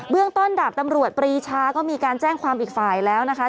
เรื่องต้นดาบตำรวจปรีชาก็มีการแจ้งความอีกฝ่ายแล้วนะคะ